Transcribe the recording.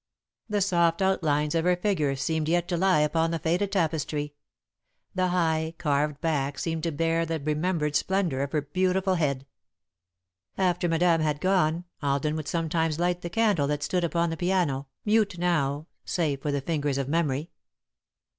The soft outlines of her figure seemed yet to lie upon the faded tapestry; the high, carved back seemed still to bear the remembered splendour of her beautiful head. [Sidenote: Balm for Alden] After Madame had gone, Alden would sometimes light the candle that stood upon the piano, mute now save for the fingers of Memory.